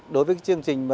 đối với chương trình